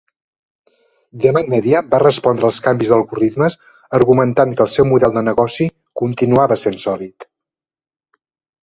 Demand Media va respondre als canvis d'algoritmes argumentant que el seu model de negoci continuava sent sòlid.